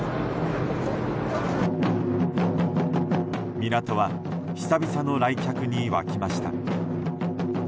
港は久々の来客に沸きました。